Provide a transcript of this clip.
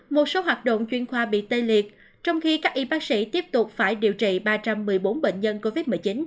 một số hoạt động chuyên khoa bị tê liệt trong khi các y bác sĩ tiếp tục phải điều trị ba trăm một mươi bốn bệnh nhân covid một mươi chín